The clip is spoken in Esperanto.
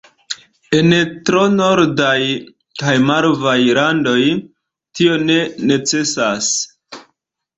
En tro nordaj kaj malvarmaj landoj, tio ne necesas.